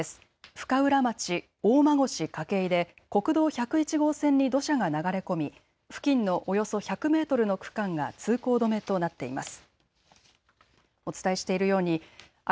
深浦町大間越筧で国道１０１号線に土砂が流れ込み付近のおよそ１００メートルの区間が通行止めとなっています。